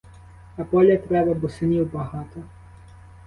А поля треба, бо синів багато.